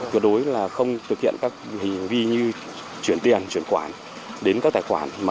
tựa đối là không thực hiện các hình vi như chuyển tiền chuyển quản đến các tài khoản